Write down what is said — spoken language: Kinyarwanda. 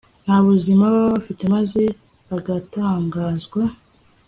Nta buzima baba bafite maze bagatangazwa